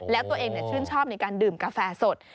แล้วตัวเองชื่นชอบในการดื่มกาแฟสด